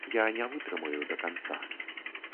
Я не вытрымаю да канца.